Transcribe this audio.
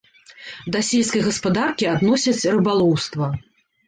Да сельскай гаспадаркі адносяць рыбалоўства.